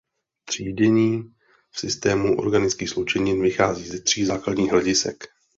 Třídění v systému organických sloučenin vychází ze tří základních hledisek.